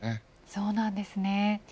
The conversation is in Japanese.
そうなんですね。